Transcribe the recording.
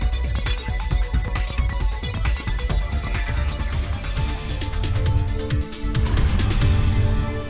tetap langsung bersama kami